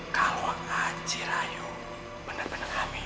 kalau aci rayu bener bener hamil